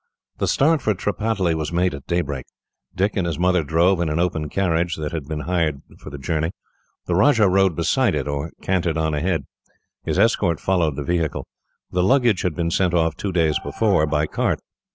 The start for Tripataly was made at daybreak. Dick and his mother drove, in an open carriage that had been hired for the journey. The Rajah rode beside it, or cantered on ahead. His escort followed the vehicle. The luggage had been sent off, two days before, by cart.